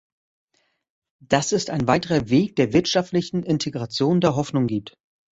Das ist ein weiterer Weg der wirtschaftlichen Integration, der Hoffnung gibt.